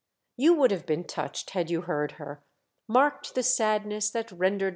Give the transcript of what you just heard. You would have been touched had you heard her, marked the sadness that rendered 198 THE DEATH SHIP.